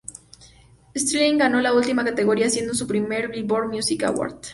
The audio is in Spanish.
Stirling ganó la última categoría, siendo su primer Billboard Music Award.